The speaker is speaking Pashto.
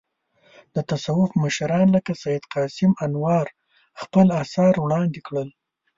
د تصوف مشران لکه سید قاسم انوار خپل اثار وړاندې کړل.